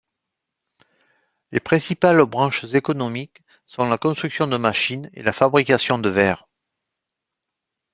Les principales branches économiques sont la construction de machines et la fabrication de verre.